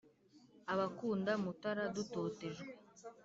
abakunda mutara dutotejwe